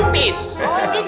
orang itu artis